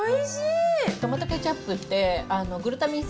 トマトケチャップって、グルタミン